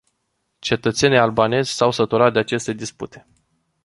Cetățenii albanezi s-au săturat de aceste dispute.